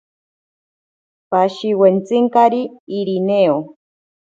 Pashiwentsinkari Irineo.